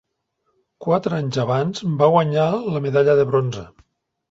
Quatre anys abans va guanyar la medalla de bronze.